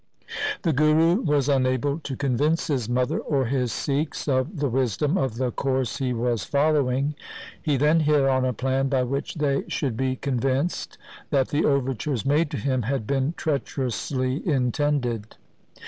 The Guru was unable to convince his mother or his Sikhs of the wisdom of the course he was following. He then hit on a plan by which they should be con vinced that the overtures made to him had been treacherously intended.